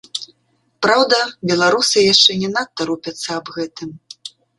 Праўда, беларусы яшчэ не надта рупяцца аб гэтым.